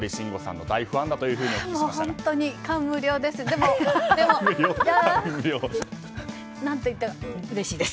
もう、本当に感無量です。